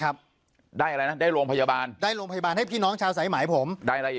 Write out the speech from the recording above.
อะนี้ว่าพลักษณ์ใหญ่เพิ่มใจไทยเนี่ย